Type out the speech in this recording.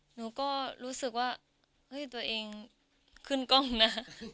หนูก็รู้สึกว่าเฮ้ยตัวเองขึ้นกล้องนะ